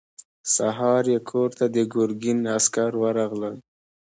سهار يې کور ته د ګرګين عسکر ورغلل.